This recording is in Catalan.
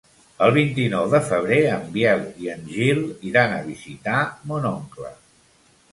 El vint-i-nou de febrer en Biel i en Gil iran a visitar mon oncle.